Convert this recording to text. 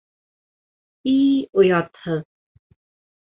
— И оятһыҙ.